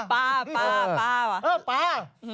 ปลาปลาปลาปลา